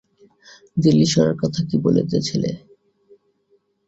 দিল্লীশ্বরের কথা কি বলিতেছিলে?